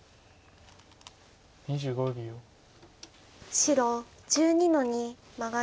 白１２の二マガリ。